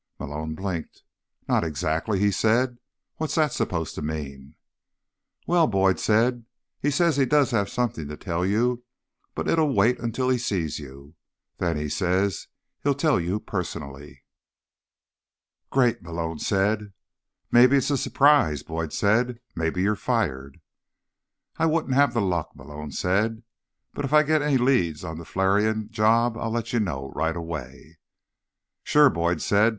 Malone blinked. "Not exactly?" he said. "What's that supposed to mean?" "Well," Boyd said, "he says he does have something to tell you, but it'll wait until he sees you. Then, he says, he'll tell you personally." "Great," Malone said. "Maybe it's a surprise," Boyd said. "Maybe you're fired." "I wouldn't have the luck," Malone said. "But if I get any leads on the Flarion job, I'll let you know right away." "Sure," Boyd said.